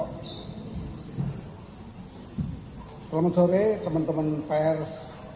selamat sore teman teman pers